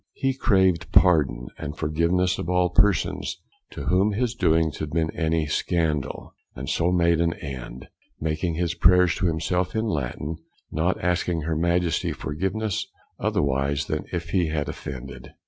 He craved pardon and forgiveness of all persons, to whom his doings had been any scandal, and so made an end; making his prayers to himself in Latin, not asking her Majesty forgiveness, otherwise than if he had offended.